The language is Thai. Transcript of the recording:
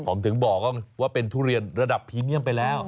ผมถึงบอกว่าเป็นทุเรียนระดับพรีเมียมไปแล้ว